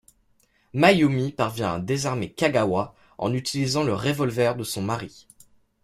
Mayumi parvient à désarmer Kagawa en utilisant le révolver de son mari.